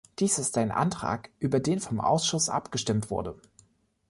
Dies ist ein Antrag, über den vom Ausschuss abgestimmt wurde.